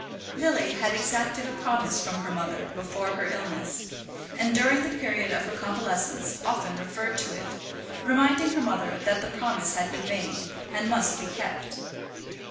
Lily had exacted a promise from her mother before her illness, and during the period of her convalescence often referred to it, reminding her mother that that promise had been made, and must be kept.